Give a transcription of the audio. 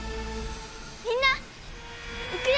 みんないくよ。